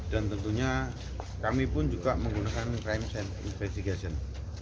dan tentunya kami pun juga menggunakan crime investigation